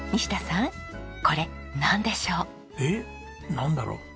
なんだろう？